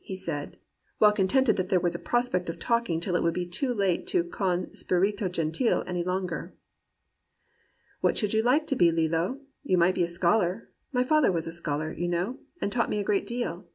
he said, well contented that there was a prospect of talk ing till it would be too late to con Spirto gentil any longer. "* What should you like to be, Lillo ? You might be a scholar. My father was a scholar, you know, and taught me a great deal.